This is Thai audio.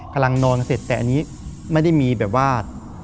กำลังนอนเสร็จแต่อันนี้ไม่ได้มีแบบว่า